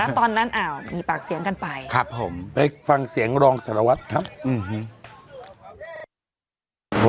ตอนนั้นมีปากเสียงกันไปครับผมไปฟังเสียงรองสารวัตรครับ